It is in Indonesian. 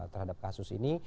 terhadap kasus ini